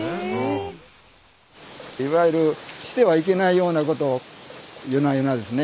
いわゆるしてはいけないようなことを夜な夜なですね